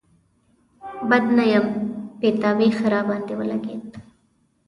بد نه يم، پيتاوی ښه راباندې ولګېد.